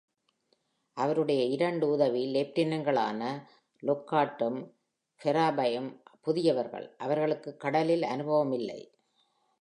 அவருடைய இரண்டு உதவி லெப்டினென்ட்களான Lockhartம் Ferrabyம் புதியவர்கள். அவர்களுக்கு கடலில் அனுபவம் இல்லை.